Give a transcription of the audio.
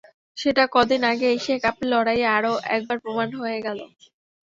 সেটা কদিন আগে এশিয়া কাপের লড়াইয়ে আরও একবার প্রমাণ হয়ে গেল।